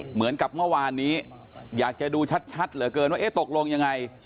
เหมือนกับเมื่อวานนี้อยากจะดูชัดเหลือเกินว่าเอ๊ะตกลงยังไง